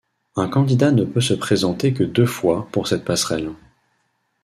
Un candidat ne peut se présenter que deux fois pour cette passerelle.